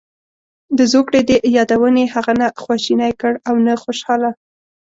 د زوکړې دې یادونې هغه نه خواشینی کړ او نه خوشاله.